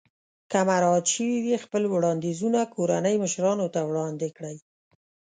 که مراعات شوي وي خپل وړاندیزونه کورنۍ مشرانو ته وړاندې کړئ.